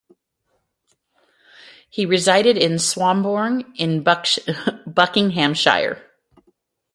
He resided in Swanbourne in Buckinghamshire.